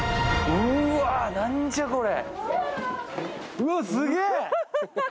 うわ何じゃこれ！